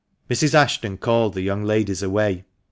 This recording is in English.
Mrs. Ashton called the young ladies away.